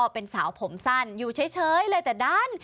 เป็นสาวผมสั้นอยู่เฉยเลยแต่ด้าน